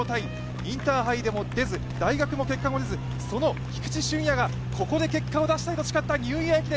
インターハイでも出ず、大学も結果も出ず、その菊地駿弥がここで結果を出したいと誓ったニューイヤー駅伝。